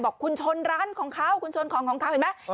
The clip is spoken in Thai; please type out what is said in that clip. บอกคุณชนร้านของเขาคุณชนของของเขาเห็นไหม